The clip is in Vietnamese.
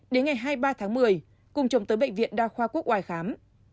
đến ngày hai mươi ba tháng một mươi cùng chồng tới bệnh viện đa khoa quốc oai khám